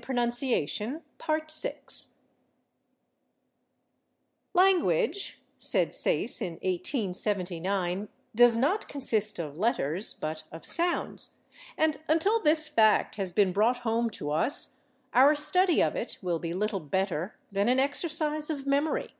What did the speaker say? § 6 /Pronunciation/ "Language," said Sayce, in 1879, "does not consist of letters, but of sounds, and until this fact has been brought home to us our study of it will be little better than an [Pg167] exercise of memory."